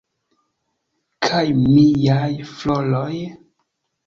Kaj miaj floroj?